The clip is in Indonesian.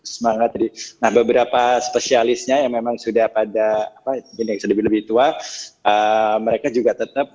semangat nah beberapa spesialisnya yang memang sudah pada apa lebih tua mereka juga tetap